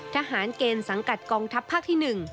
ทหารเกณฑ์สังกัดกองทัพภาคที่๑